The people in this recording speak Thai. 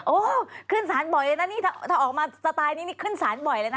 โอ้โฮขึ้นสารบ่อยเลยนะถ้าออกมาสไตล์นี้ขึ้นสารบ่อยเลยนะ